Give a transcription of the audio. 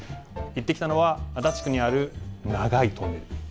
行ってきたのは足立区にある長いトンネル